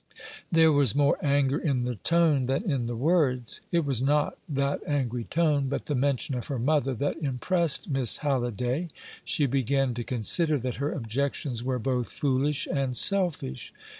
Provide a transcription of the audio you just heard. There was more anger in the tone than in the words. It was not that angry tone, but the mention of her mother, that impressed Miss Halliday. She began to consider that her objections were both foolish and selfish.